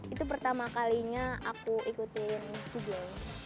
itu pertama kalinya aku ikutin sea games